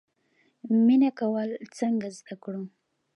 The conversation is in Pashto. مینه کول څنګه زده کړو؟